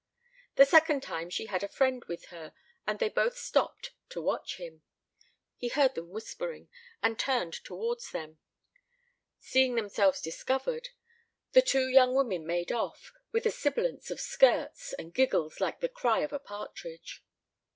The second time, she had a friend with her, and they both stopped to watch him. He heard them whispering, and turned towards them. Seeing themselves discovered, the two young women made off, with a sibilance of skirts, and giggles like the cry of a partridge.